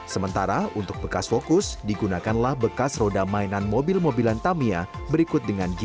sementara untuk bekas fokus digunakanlah bekas roda mainan mobil mobilan tamia berikut dengan gimmi